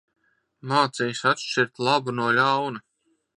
Mācījis atšķirt labu no ļauna.